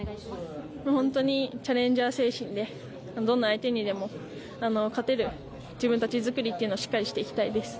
チャレンジャー精神でどんな相手にでも勝てる自分たち作りというのをしっかりしていきたいです。